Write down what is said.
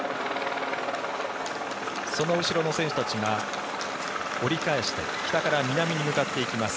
その後ろの選手たちが折り返して北から南に向かっていきます。